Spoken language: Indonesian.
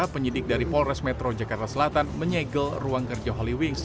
penyidik dari polres metro jakarta selatan menyegel ruang kerja holy wings